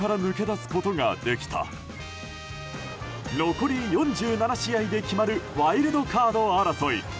残り４７試合で決まるワイルドカード争い。